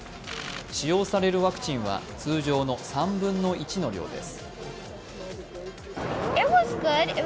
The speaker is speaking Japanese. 使用されるワクチンは通常の３分の１の量です。